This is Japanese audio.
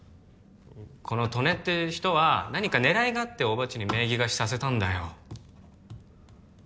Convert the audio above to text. この刀根って人は何か狙いがあって大庭っちに名義貸しさせたんだよ